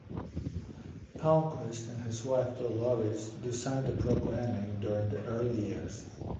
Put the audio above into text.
Palmquist and his wife Dolores designed the programming during the early years.